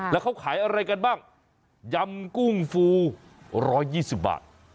แล้วเขาขายอะไรกันบ้างยำกุ้งฟูร้อยยี่สิบบาท